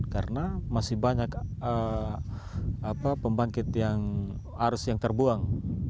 karena masih banyak pembangkit yang arus yang terbuang